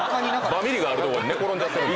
バミリがあるとこに寝転んじゃってる？